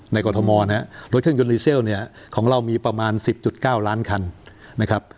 ในกรทมอร์นะฮะรถเครื่องยนต์ดีเซลเนี้ยของเรามีประมาณสิบจุดเก้าล้านคันนะครับ